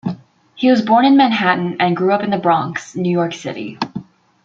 He was born in Manhattan and grew up in the Bronx, New York City.